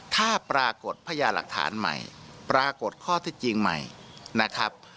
ถ้าปรากฏพญาหลักฐานใหม่ปรากฏข้อที่จริงใหม่นะครับ